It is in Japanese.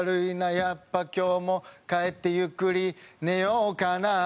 「やっぱ今日も帰ってゆっくり寝ようかな」